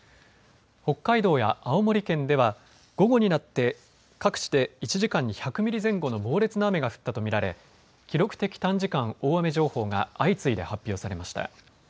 北海道や青森県では午後になって各地で１時間に１００ミリ前後の猛烈な雨が降ったと見られ記録的短時間大雨情報が相次いで発表されました。